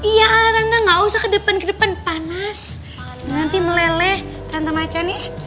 iya anak anda gak usah ke depan ke depan panas nanti meleleh tante macan ya